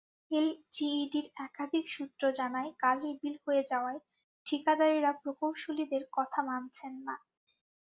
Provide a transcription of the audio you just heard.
এলজিইডির একাধিক সূত্র জানায়, কাজের বিল হয়ে যাওয়ায় ঠিকাদারেরা প্রকৌশলীদের কথা মানছেন না।